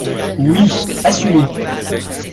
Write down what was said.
Oui, assumez